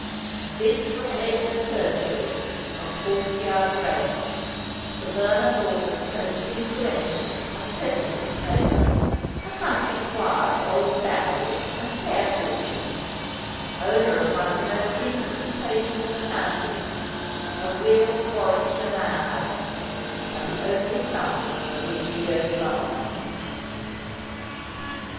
This was Edgar Turchill, of Hawksyard Grange, Sir Vernon Lawford's most influential and pleasantest neighbour, a country squire of old family and fair fortune, owner of one of the most interesting places in the county, a real Warwickshire manor house, and the only son of his widowed mother.